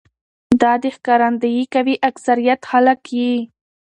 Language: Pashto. دا دې ښکارنديي کوي اکثريت خلک يې